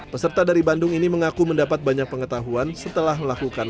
peserta dari bandung ini mengaku mendapat banyak pengetahuan setelah melakukan